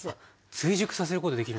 追熟させることできるんですね